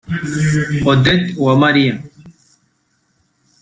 Odette Uwamariya